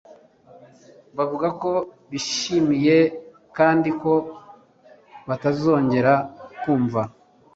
Bavuga ko bishimye kandi ko batazongera kumva